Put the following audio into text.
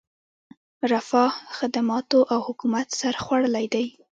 رفاه، خدماتو او حکومت سر خوړلی دی.